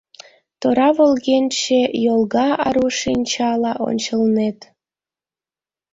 Тора волгенче Йолга ару шинчала ончылнет.